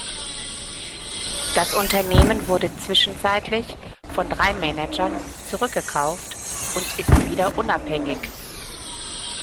Das Unternehmen wurde zwischenzeitlich von drei Managern zurückgekauft und ist wieder unabhängig.